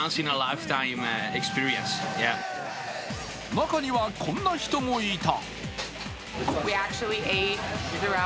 中には、こんな人もいた。